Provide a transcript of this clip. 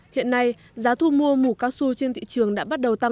hiện nay giá thu mua mũ cao su trên thị trường đã bắt đầu tăng